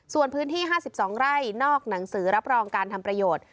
ส่วนพื้นที่๕๒ไร่นอกหนังสือรับรองการทำประโยชน์